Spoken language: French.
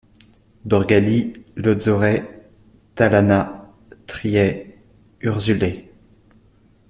Dorgali, Lotzorai, Talana, Triei, Urzulei.